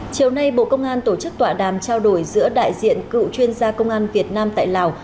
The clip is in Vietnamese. chiều nay bộ công an tổ chức tọa đàm trao đổi giữa đại diện cựu chuyên gia công an việt nam tại lào